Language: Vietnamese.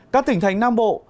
các tỉnh thành nam bộ